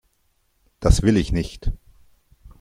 Das will ich nicht!